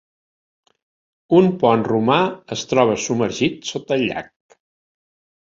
Un pont romà es troba submergit sota el llac.